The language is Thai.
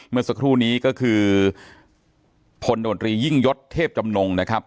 เมื่อสักครู่นี้ก็คือพลโนตรียิ่งยศเทพจำนงนะครับ